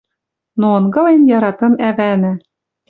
Но ынгылен яратым ӓвӓнӓ: